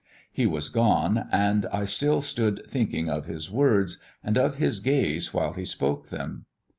He was gone, and I still stood thinking of his words, and of his gaze while he spoke them.